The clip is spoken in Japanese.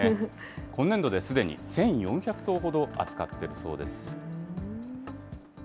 今年度ですでに１４００頭ほど扱っているそうです。